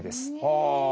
はあ！